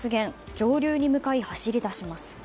上流に向かい走り始めます。